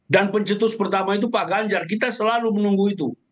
dan pencetus pertama itu pak ganjar kita selalu menunggu itu